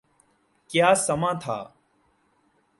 کیا سماں تھا۔